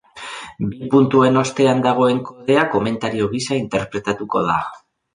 Bi puntuen ostean dagoen kodea komentario gisa interpretatuko da.